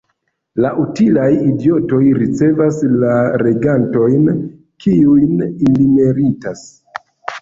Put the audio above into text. La utilaj idiotoj ricevas la regantojn kiujn ili meritas.